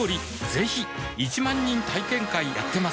ぜひ１万人体験会やってます